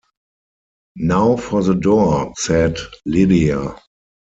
"Now for the door," said Lydia.